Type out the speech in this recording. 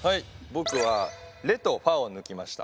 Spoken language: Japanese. ボクはレとファを抜きました。